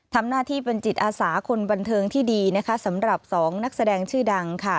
ทำหน้าที่เป็นจิตอาสาคนบันเทิงที่ดีนะคะสำหรับสองนักแสดงชื่อดังค่ะ